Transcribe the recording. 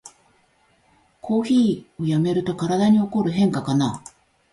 コーヒーをやめると体に起こる変化かな